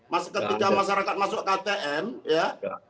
masa ketika masyarakat masuk ke atm ya